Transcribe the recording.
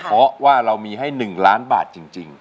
เพราะว่าเรามีให้๑ล้านบาทจริง